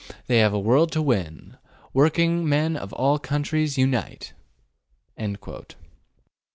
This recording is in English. They have a world to win. Working men of all countries, unite!